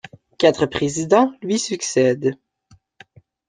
Quatre présidents lui succèdent.